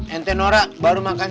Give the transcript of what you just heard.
hande nora baru makannya